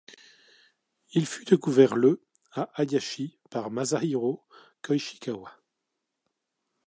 Il fut découvert le à Ayashi par Masahiro Koishikawa.